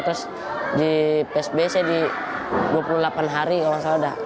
terus di psbi saya di dua puluh delapan hari gak masalah